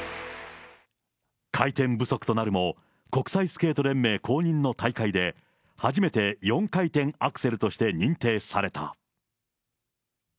回転不足となるも、国際スケート連盟公認の大会で、初めて４回転アクセルとして認定された。